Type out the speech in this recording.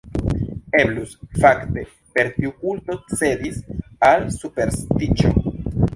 Eblus, fakte, per tiu kulto cedis al superstiĉo.